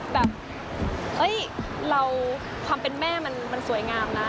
แบบเฮ้ยเราความเป็นแม่มันสวยงามนะ